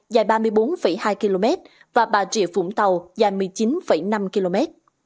dự án cao tốc biên hòa vũng tàu có chiều dài ba mươi bốn hai km và bà rịa vũng tàu dài một mươi chín năm km